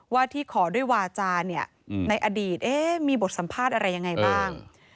ว่าที่ขอด้วยวาจาเนี่ยในอดีตมีบทสัมภาษณ์อะไรยังไงบ้าง